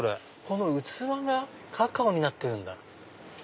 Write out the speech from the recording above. この器がカカオになってるんだ。